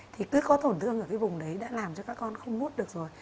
thì cứ có tổn thương ở cái vùng đấy đã làm cho các con không ngút được rồi